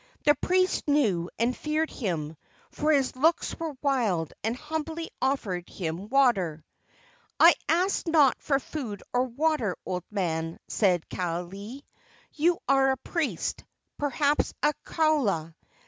The priest knew and feared him, for his looks were wild, and humbly offered him water. "I ask not for food or water, old man," said Kaaialii. "You are a priest perhaps a kaula.